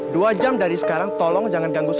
dua jam dari sekarang tolong jangan datang ke rumah